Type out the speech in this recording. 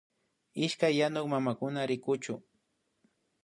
Ishkay yanuk mamakuna rikuchu